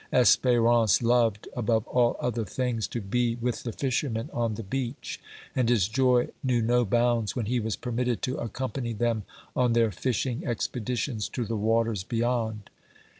Espérance loved, above all other things, to be with the fishermen on the beach, and his joy knew no bounds when he was permitted to accompany them on their fishing expeditions to the waters beyond.